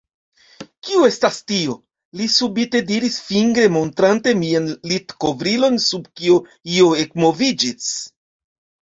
Kio estas tio? li subite diris, fingre montrante mian litkovrilon sub kio io ekmoviĝis.